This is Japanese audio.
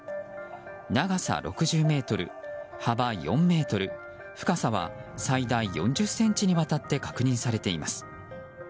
長さ６０ｍ、幅４ｍ深さは最大４０ｃｍにわたって確認されています。